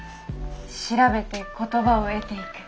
調べて言葉を得ていく。